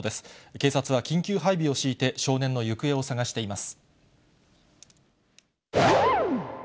警察は緊急配備を敷いて少年の行方を捜しています。